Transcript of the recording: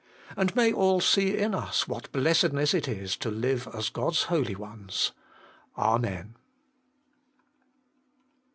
And may all see in us what blessedness it is to live as God's holy ones. Amen.